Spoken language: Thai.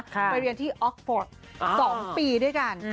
ไปเรียนที่ออกฟอร์ด๒ปีด้วยกัน